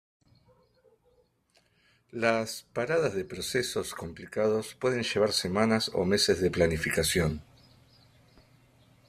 Las paradas de procesos complicados pueden llevar semanas o meses de planificación.